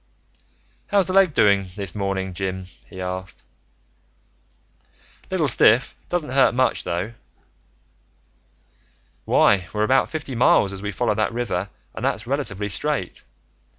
"How's the leg this morning, Jim?" he asked. "Little stiff. Doesn't hurt much, though." "Why, we're about fifty miles, as we follow that river, and that's relatively straight."